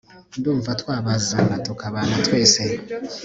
Ndumva twabazana tukabana twese